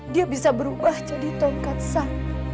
dia bisa berubah jadi tongkat sang